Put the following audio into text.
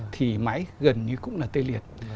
thì máy gần như cũng là tê liệt